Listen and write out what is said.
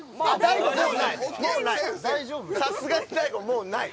さすがに大悟もうない。